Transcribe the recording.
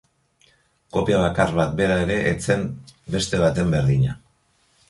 Kopia bakar bat bera ere ez zen beste baten berdina.